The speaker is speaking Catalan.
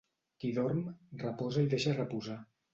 Qui dorm, reposa i deixa reposar.